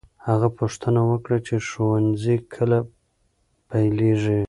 هغه پوښتنه وکړه چې ښوونځی کله پیلېږي.